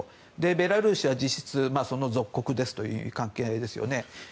ベラルーシは実質、その属国ですという関係ですよね。